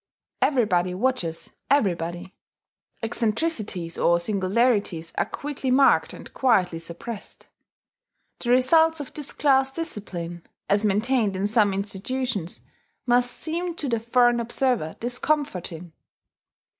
Everybody watches everybody: eccentricities or singularities are quickly marked and quietly suppressed. The results of this class discipline, as maintained in some institutions, must seem to the foreign observer discomforting.